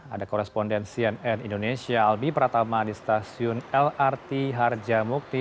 ada koresponden cnn indonesia albi pratama di stasiun lrt harjamukti